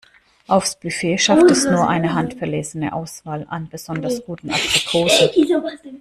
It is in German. Aufs Buffet schafft es nur eine handverlesene Auswahl an besonders guten Aprikosen.